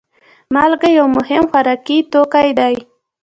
مالګه یو مهم خوراکي توکی دی.